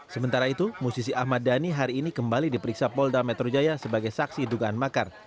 sementara itu musisi ahmad dhani hari ini kembali diperiksa polda metro jaya sebagai saksi dugaan makar